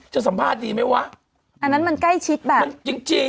สัมภาษณ์ดีไหมวะอันนั้นมันใกล้ชิดแบบมันจริงจริง